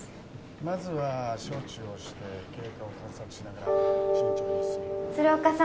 まずは処置をして経過を観察しながら慎重に鶴岡さん